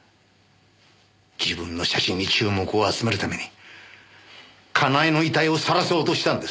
自分の写真に注目を集めるために佳苗の遺体をさらそうとしたんです。